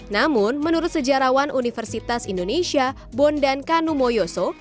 namun menurut sejarawan universitas indonesia bondan kanumoyoso